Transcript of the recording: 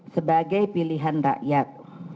sebagai pilihan rakyat